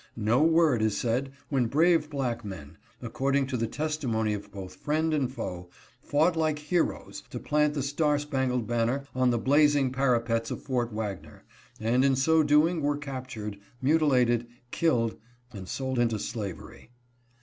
No word is said when brave black men, according to the testimony of both friend and foe, fought like heroes to plant the star spangled banner on the blazing parapets of Fort Wagner and in so doing were captured, mutilated, killed, and sold into slavery.